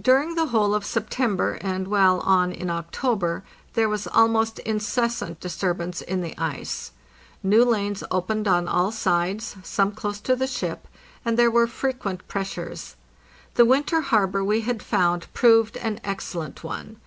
During the whole of September, and well on in October, there was almost incessant disturbance in the ice. New lanes opened on all sides, some close to the ship, and there were frequent press ures. The winter harbor we had found proved an excellent one.